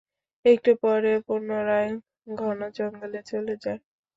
একটু পরে পুনরায় ঘন জঙ্গলে চলে যায়।